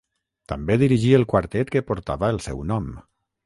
També dirigí el quartet que portava el seu nom.